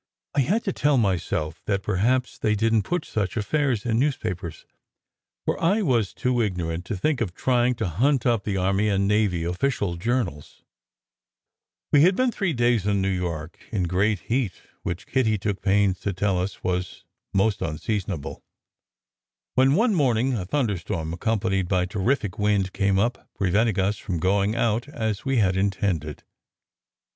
I had to tell myself that perhaps they didn t put such affairs in news papers, for I was too ignorant to think of trying to hunt up the army and navy official journals. 166 SECRET HISTORY We had been three days in New York in great heat, which Kitty took pains to tell us was most unseasonable, when one morning a thunderstorm accompanied by terrific wind came up, preventing us from going out as we had intended.